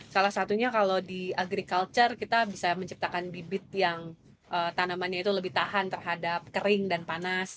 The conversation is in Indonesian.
salah satunya kalau di agriculture kita bisa menciptakan bibit yang tanamannya itu lebih tahan terhadap kering dan panas